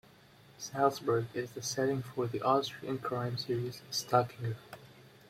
Salzburg is the setting for the Austrian crime series Stockinger.